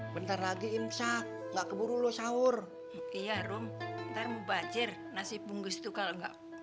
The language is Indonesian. bentar lagi imsak gak keburu lo sahur iya rom ntar mbajer nasi bungkus tuh kalau enggak